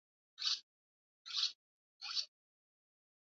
Wahenga wanasema muacha mila ni mtumwa